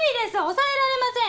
抑えられません！